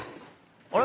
あれ？